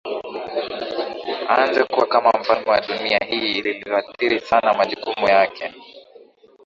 aanze kuwa kama mfalme wa dunia hii lililoathiri sana majukumu yake